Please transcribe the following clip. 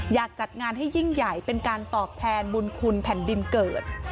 อยากจัดงานให้ยิ่งใหญ่เป็นการตอบแทนบุญคุณแผ่นดินเกิด